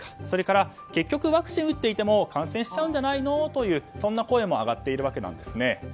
それから、結局ワクチンを打っていても感染しちゃうんじゃないのというそんな声も上がっているわけです。